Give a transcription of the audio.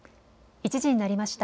１時になりました。